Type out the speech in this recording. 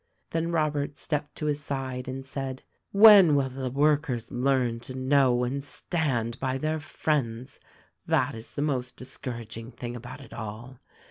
Then Robert stepped to his side and said: "When will the workers learn to know and stand by their friends ! That is the most discouraging thing about it all.